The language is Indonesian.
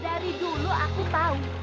dari dulu aku tahu